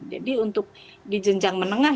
jadi untuk di jenjang menengah